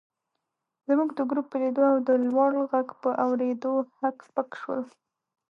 زموږ د ګروپ په لیدو او د لوړ غږ په اورېدو هک پک شول.